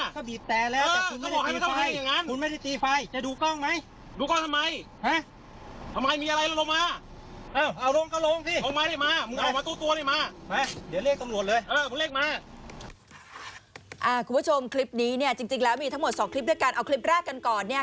คุณผู้ชมคลิปนี้จริงแล้วมีทั้งหมด๒คลิปในการเอาคลิปแรกกันก่อน